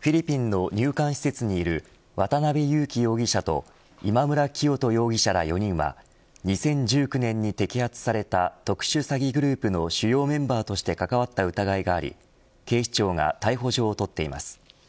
フィリピンの入管施設にいる渡辺優樹容疑者と今村磨人容疑者ら４人は２０１９年に摘発された特殊詐欺グループの主要メンバーとして関わった疑いがあり警視庁が逮捕状を取っています。